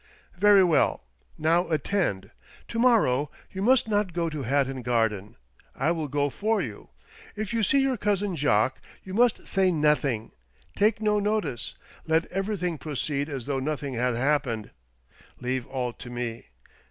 "Very well. Now attend. To morrow you must not go to Hatton Garden — I will go for you. If you see your cousin Jacques you must say nothing, take no notice ; let everything pro ceed as though nothing had happened ; leave all to me.